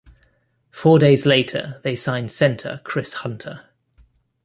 Four days later, they signed center Chris Hunter.